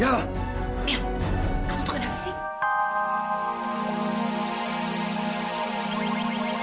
ya kamu terlalu sibuk